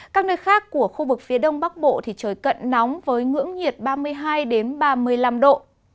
các nơi khác của khu vực phía đông bắc bộ trời cận nóng với ngưỡng nhiệt ba mươi hai ba mươi năm độ